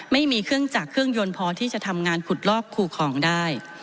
ไม่มีเครื่องจักรเครื่องยนต์พอที่จะทำงานขุดลอกคู่ของได้